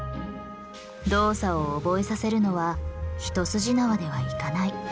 動作を覚えさせるのは一筋縄ではいかない。